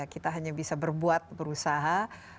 kita hanya bisa berbuat berusaha